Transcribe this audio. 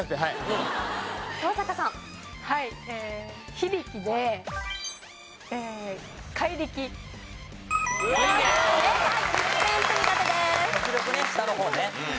極力ね下の方ね。